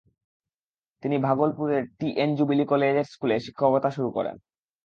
তিনি ভাগলপুরের T. N. Jubilee collegiate স্কুলে শিক্ষকতা শুরু করেন।